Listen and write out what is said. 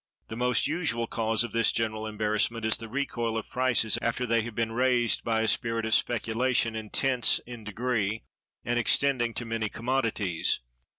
The most usual cause of this general embarrassment is the recoil of prices after they have been raised by a spirit of speculation, intense in degree, and extending to many commodities.